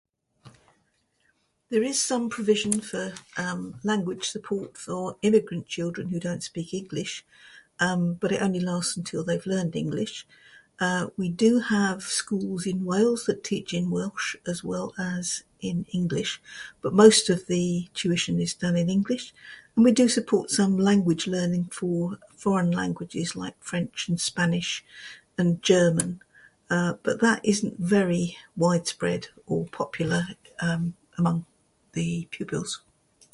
There is some provision for, um, language support for immigrant children who don't speak English. Um, but it only lasts until they've learned English. Uh, we do have schools in Wales that teach in Welsh as well as in English. But most of the tuition is done in English. We do support some language learning for foreign languages like French, and Spanish, and German. Uh, but that isn't very widespread, or popular, um, among the peoples.